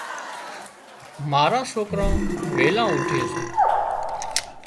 ماران سوڪران ويلان اُوٺي سي۔